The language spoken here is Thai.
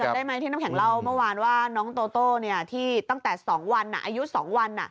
ได้ไหมที่น้ำแข็งเล่าเมื่อวานว่าน้องโตโต้ที่ตั้งแต่๒วันอายุ๒วัน